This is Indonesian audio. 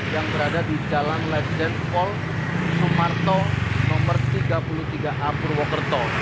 yang berada di jalan lejen pol sumarto no tiga puluh tiga a purwokerto